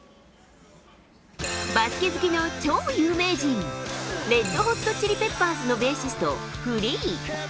バスケ好きの超有名人レッド・ホット・チリ・ペッパーズのベーシスト、フリー。